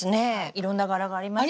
いろんな柄がありますね。